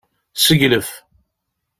Seglef.